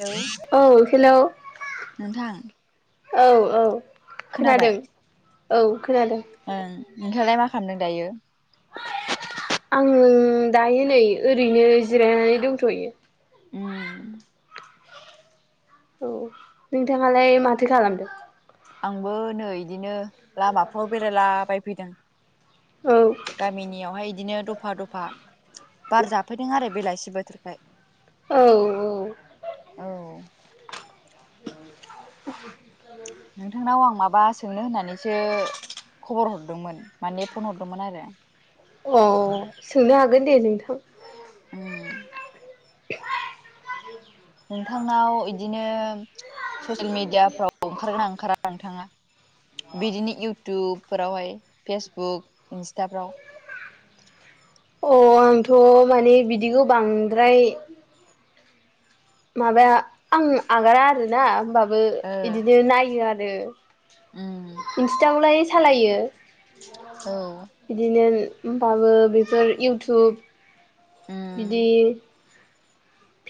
Hello औ hello नोंथां औ औ खोनाबाय खोनादों औ खोनादों ओं नोंथांङा लाय माखालामदों दायो आं दायो नै ओरैनो जिरायनानै दंथ'यो उम औ नोंथाङालाय माथो खालामदो आंबो नै बिदिनो लामाफ्राव बेरायलाबायफैदों औ गामिनियावहाय बिदिनो दफा दफा बार जाफैदों आरो बेलासि बोथोरखाय औ औ औ। [inaudible] नोंथांनाव आं माबा सोंनो होननानैसो खबर हरदोंमोन माने फन हरदोंमोन आरो। अ सोंनो हागोन दे नोंथां। उम। [inaudible] नोंथांनाव इदिनो ससियेल मिडियाफ्राव ओंखारगोना ओंखारा नोंथाङा? बिदिनो इउटुब फोरावहाय फेसबुक इन्स्टाफ्राव। अ आंथ' माने बिदिखौ बांद्राय माबा आं आगारा आरोना होनोमबाबो ओ इदिनो नायो आरो। उम इस्टावखौलाय सालायो औ इदिनो होमबाबो बेफोर इउटुब उम बिदि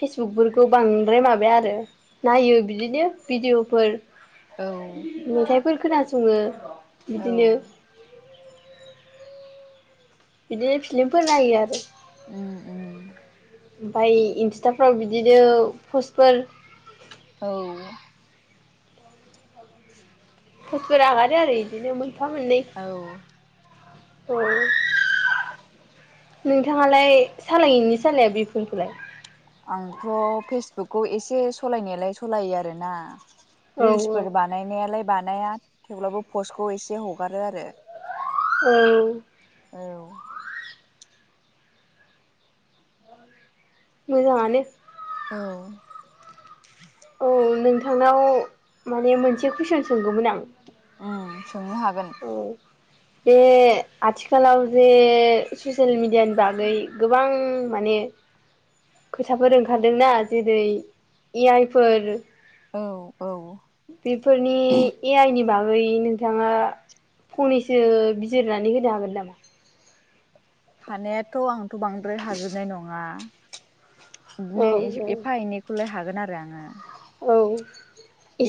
फेसबुकफोरखौ बांद्राय माबाया आरो नायो बिदिनो भिडिअ'फोर औ मेथाइफोर खोनासङो औ बिदिनो बिदि फिलिमफोर नायो आरो। उम उम। ओमफाय इन्स्टाफ्राव बिदिनो पस्टफोर औ। फथ'फोर आगारो आरो इदिनो मोनफा मोननै औ उम। नोंथाङालाय सालायनि सालाया बिफोरखौलाय? खौ एसे सलायनायालाय सलायो आरोना औ रिलस औ फोर बानायनायालाय बानाया थेवब्लाबो पसखौ एसे हगारो आरो औ। औ। मोजाङानो। औ। औ नोंथांनाव माने मोनसे कुइसन सोंगौमोन आं। उम सोंनो हागोन। औ बे आथिखालाव जे ससियेल मिडियानि बागै गोबां मा माने खोथाफोर ओंखारदोंना जेरै ए आइफोर औ औ बेफोरनि ए आइ नि बागै नोंथाङा फंनैसो बिजिरनानै होनो हागोन नामा? हानायाथ' आंथ' बांद्राय हाजोबनाय नङा। औ बिदिनो औ एफा एनैखौलाय हागोन आरो आङो। औ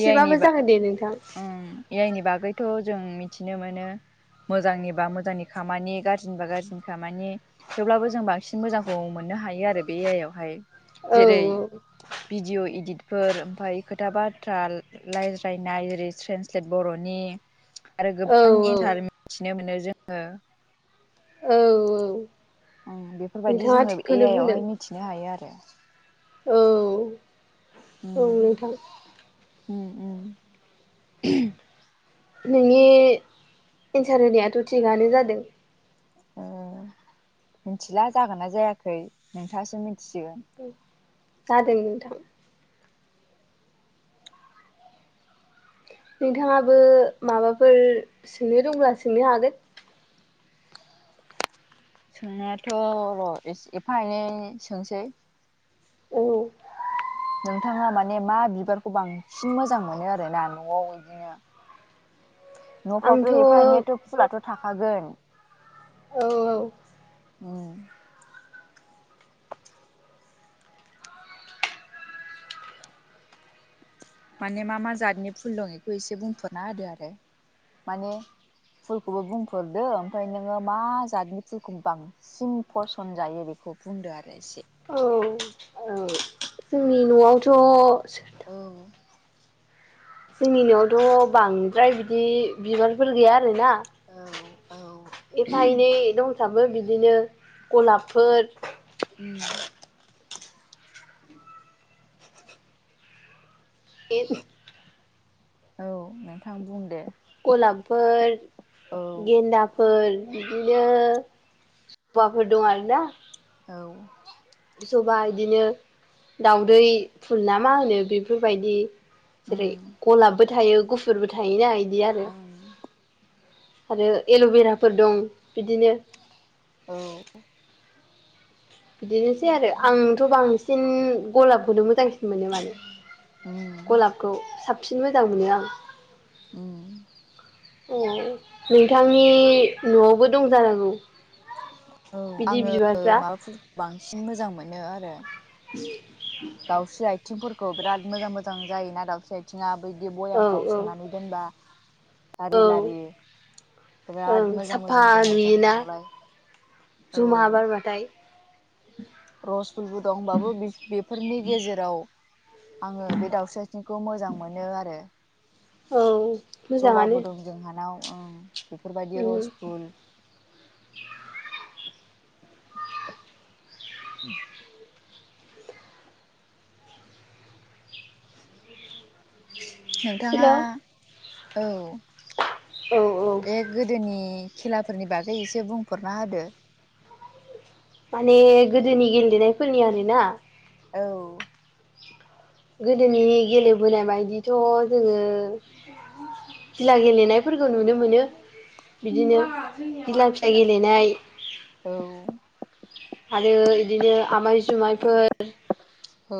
ए आइ नि बा जागोन दे नोंथां। ओम ए आइनि बागैथ' जों मिथिनो मोनो मोजांनिबा मोजांनि खामानि गाज्रिनिबा गाज्रिनि खामानि थेवब्लाबो जों बांसिन मोजांखौ मो ननो हायो आरो बे ए आइ आवहाय। औ जेरै भिडिअ' इदितफोर ओमफ्राय खोथाबा थ्रा रायज्लायनाय जेरै ट्रेन्सलेट बर'नि आरो औ गोबां [inaudible] औ मिथिनो मोनो जोङो। औ औ। उम बेफोरबायदि जोङो ए आइ आवहाय मिथिनो हायो आरो। औ औ नोंथां। उम उम उमह। नोंनि एन्सार होनायाथ' थिगानो जादों। ओ मिथिला जागोन ना जायाखै नोंथाङासो मिथि जादों नोंथां नोंथाङाबो माबाफोर सोंनो दंब्ला सोंनो हागोन। सोंनायाथ र एफा एनै सोंसै औ नोंथाङा माने मा बिबारखौ बांसिन मोजां मोनो आरोना नआव इदिनो [inaudible] नफ्राव औ एफा एनैाथ फुलाथ थाखागोन औ अउ माने मा मा जातनि फुल दं इखौ एसे बुंफोरना होदो? आरो माने फुलखौबो बुंफोरदो ओमफ्राय नोङो मा जातनि फुलखौ बांसिन फसन जायो बेखौ खौ बुंदोआरो एसे। औ औ जोंनि नआवथ औ। जोंनि नआवथ बांद्राय बिदि बिबारफोर गैया आरोना। औ औ एफा एनै दंसाबो बिदिनो गलाबफोर उम ए औ नोंथां बुंदे। गलाबफोर, गेन्दाफोर बिदिनो जबाफोर दं आरोना औ। जबा इदिनो दाउदै फुल ना मा होनो बेफोरबायदि जेरै उम गलाबबो थायो गुफुरबो थायोना आरो आ। आरो एलभेराफोर दं बिदिनो औ। बिदिनोसैआरो आंथ बांसिन गलाबखौनो मोजांसिन मोनो मानो उम गलाबखौ साबसिन मोजां मोनो आं। औ। अ नोंथांनि नआवबो दंजानांगौ? औ आङो माबाफोरखौ बांसिन मोजां मोनो आरो दाउस्रि आथिंफोरखौ बिराद मोजां मोजां जायोना दाउस्रि आथिङा बिब्दि औ बयामफ्राव औ सोनानै दोनबा लारि औ लारि ओं बिराद मोजां मोजां दङ जोंहानावलाय। औ जुमा बारबाथाय रस फुलबो दंबाबो बेफोरनि गेजेराव आङो बे दाउस्रिआइथिंखौ मोजां मोनोआरो औ। मोजाङानो जबाबो दं जोंहानाव ओं बेफोरबायदि उम रस फुल [inaudible] नोंथाङा हेल' औ औ बे गोदोनि खेलाफोरनि बागै एसे बुंफोरना होदो। माने गोदोनि गेलेनायफोरनि आरोना? औ। गोदोनि गेलेबोनाय बायदिथ जोङो गिला गेलेनायफोरखौ नुनो मोनो बिदिनो गिला फिसा गेलेनाय औ आरो इदिनो आमाय जुमायफोर औ।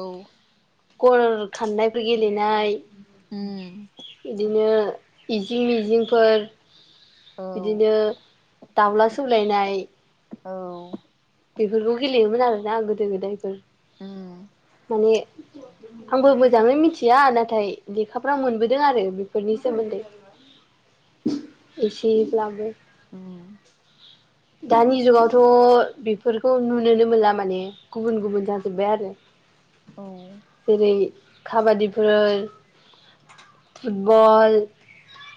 खर खान्नायफोर गेलेनाय उम इदिनो इजिं मिजिंफोर औ बिदिनो दाउला सौलायनाय औ। बेफोरखौ गेलेयोमोन आरोना गोदो गोदायफोर उम माने आंबो मोजाङै मिथिया नाथाय लेखाफ्रा मोनबोदों आरो बेफोरनि सोमोन्दै। एसे ब्लाबो उम दानि जुगावथ' बेफ फोरखौ नुनोनो मोनला माने गुबुन गुबुन जाजोब्बाय आरो औ जेरै खाबादिफोर फुटबल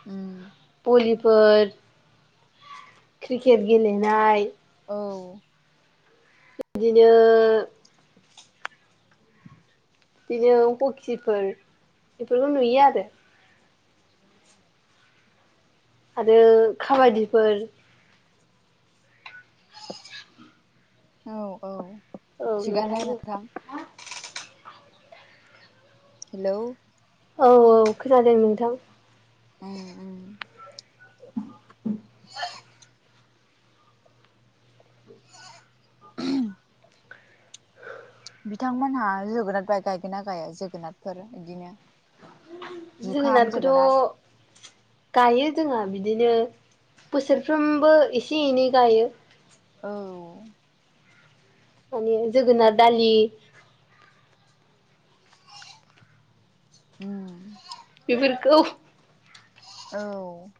ओम फोर खेट गेलेनाय औ बि दिनो बिनो हखिफोर बेफोरखौ नुयो आरो आरो खाबादिफोर औ औ थिगानो नोंथां हेलौ औ औ खोनादों नोंथां ओम ओम [inaudible] बिथांमोनहा जोगोनाद बाय गायगोन ना गाया जोगोनादफोर इदिनो जुखाम जोगोनार जोगोनादखोथ' गायो जोंहा बिदिनो बोसोरफ्रोमबो एसे एनै गायो औ माने जोगोनाद दालि ओम बेफोरखौ औ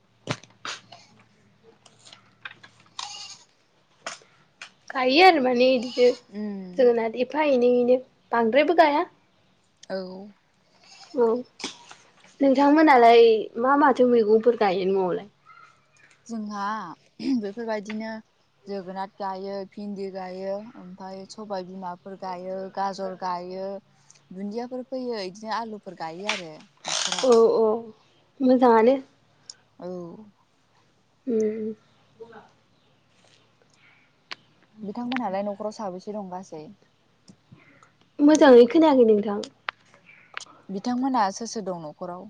गायो आरो माने इदिनो उम जोगोनाद एफा एनैयैनो बांद्रायबो गाया औ औ नोंथांमोनालाय मा माथो मैगंफोर गायो न'आवलाय जोंहा बेफोरबायदिनो जोगोनाद गायो भिन्दि गायो ओमफाय सबाय बिमाफोर गायो गाजर गाय यो दुन्दियाफोर फैयो इदिनो आलुफोर गायो आरो न'खराव मोजांआनो औ उम बिथांमोनहालाय न'खराव साबैसे दंगासै मोजाङै खोनायाखै नोंथां बिथांमोनआ सोर सोर दं न'खराव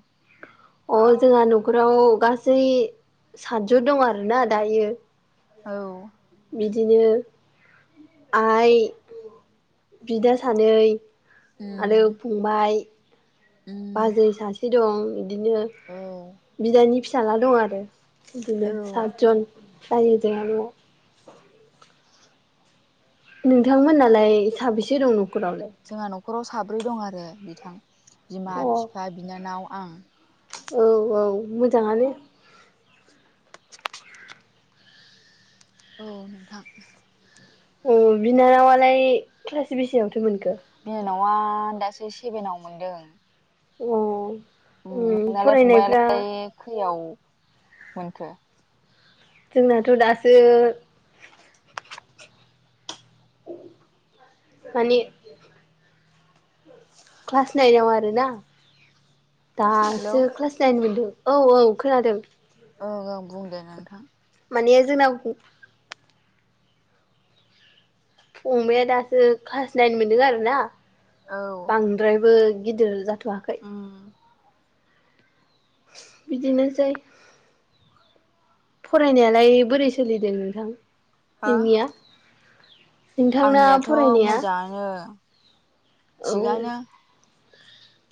अ जोंङा न'खराव गासै सातजौ दं आरोना दायो औ बिदिनो आइ बिदा सानै आरो उम फंबाय उम बाजै सासे दं इदिनो औ बिदानि फिसाला दं आरो इदिनो औ सातजन जायो जोंङा न'आव नोंथांमोनालाय साबेसे दं न'खरावलाय ब्रै दं आरो बिथां बिमा अ बिफा बिनानाव आं औ औ मोजाङानो औ नोंथां अ बिनानावालाय क्लास बेसेबांथो मोनखो ना दासो सेभेनाव मोनदों अ उम नोंनालाय फंबाइालाय खैयाव मोनखो जोंनाथ' दासो मानि क्लास नाइनाव आरो ना हेलौ दासो क्लास नाइन मोनदों औ औ खोनादों ओं ओं बुंदे नोंथां माने जोंना फंबाया दासो क्लास नाइन मोनदों आरोना औ बांद्रायबो गिदिर जाथ'वाखै उम बिदिनोसै फरायनायालाय बोरै सोलिदों नोंथां हो नोंनिया नोंथांना आंनियाथ' फरायनाया मोजाङानो औ थिगानो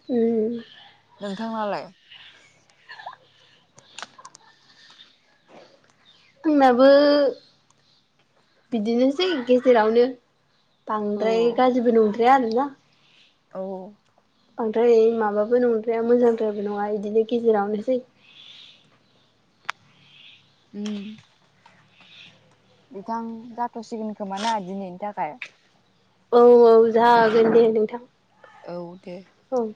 उम नोंथां नालाय आंनाबो बिदिनोसै गेजेरावनो औ बांद्राय गाज्रिबो नंद्राया आरोना औ बांद्राय माबाबो नंद्राया मोजांद्रायाबो नङा बिदिनो गेजेरावनोसै उम बिथां जाथ'सिगोन खोमा ना दिनैनि थाखाय औ औ जागोन दे नोंथां औ दे औ